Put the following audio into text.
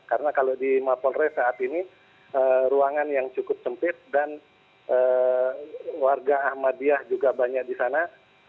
karena kalau di mapolres saat ini ruangan yang cukup sempit dan warga ahmadiyah juga banyak di sana